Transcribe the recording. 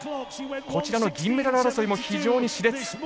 こちらの銀メダル争いも非常にしれつ。